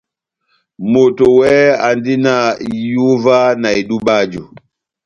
Moto wɛhɛ andi na ihúwa na edub'aju.